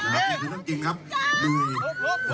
รถพยาบาล